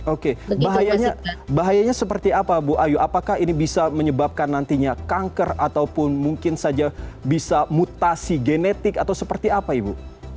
oke bahayanya seperti apa bu ayu apakah ini bisa menyebabkan nantinya kanker ataupun mungkin saja bisa mutasi genetik atau seperti apa ibu